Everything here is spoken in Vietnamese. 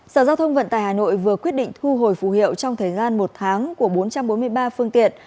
sở giao thông vận tải hà nội vừa quyết định thu hồi phù hiệu trong thời gian một tháng của bốn trăm bốn mươi ba phương tiện